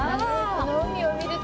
この海を見ると。